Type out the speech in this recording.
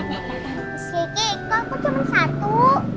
si kiki kok aku cuma satu